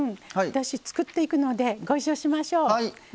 私、作っていくのでご一緒しましょう。